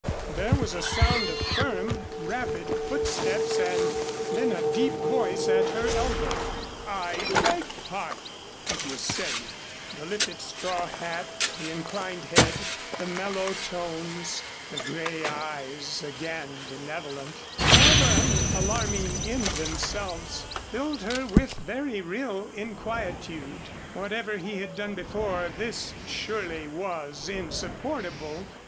There was a sound of firm, rapid footsteps and then a deep voice at her elbow. "I beg pardon," it was saying. The lifted straw hat, the inclined head, the mellow tones, the gray eyes (again benevolent), however unalarming in themselves, filled her with very real inquietude. Whatever he had done before, this, surely, was insupportable.